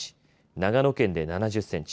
長野県で７０センチ